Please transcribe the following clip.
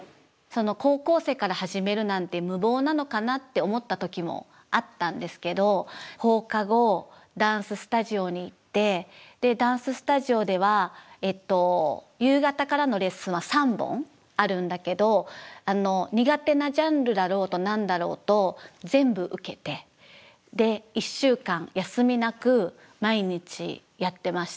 高校生から始めるなんて無謀なのかなって思った時もあったんですけど放課後ダンススタジオに行ってダンススタジオでは夕方からのレッスンは３本あるんだけど苦手なジャンルだろうと何だろうと全部受けてで１週間休みなく毎日やってました。